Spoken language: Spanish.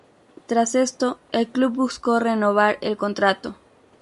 Tras esto el club busco renovar el contrato.